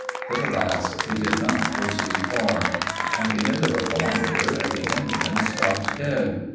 But, alas! he did not proceed far. At the end of a kilometre the engine stopped dead.